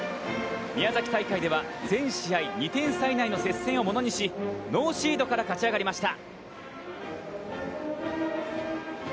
宮崎大会では、全試合２点差以内の接戦をものにし、ノーシードから勝ち上がりました。